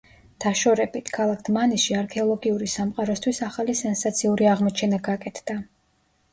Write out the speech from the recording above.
დაშორებით, ქალაქ დმანისში, არქეოლოგიური სამყაროსთვის ახალი სენსაციური აღმოჩენა გაკეთდა.